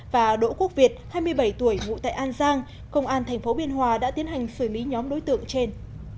và đỗ quốc việt hai mươi bảy tuổi ngụ tại an giang công an tp biên hòa đã tiến hành xử lý nhóm đối tượng trên